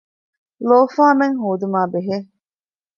ލޯފާމެއް ހޯދުމާ ބެހޭ